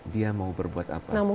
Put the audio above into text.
dia mau berbuat apa